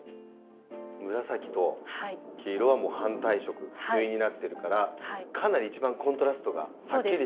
紫と黄色は反対色対になってるからかなり一番コントラストがはっきりしてる。